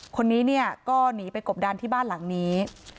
คนนี้เนี่ยก็หนีไปกบดันที่บ้านหลังนี้